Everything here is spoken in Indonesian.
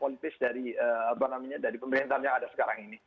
politis dari pemerintahan yang ada sekarang ini